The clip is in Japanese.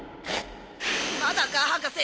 まだか⁉博士！